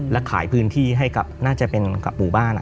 แล้วขายพื้นที่ให้กับน่าจะเป็นกับบุบัน